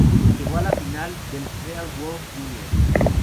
Llegó a la final del "Real World Jr.